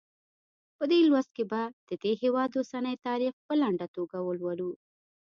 په دې لوست کې به د دې هېواد اوسنی تاریخ په لنډه توګه ولولو.